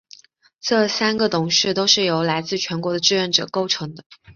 这三个董事会都是由来自全国的志愿者构成的。